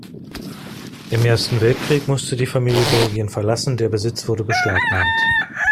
Im Ersten Weltkrieg musste die Familie Belgien verlassen, der Besitz wurde beschlagnahmt.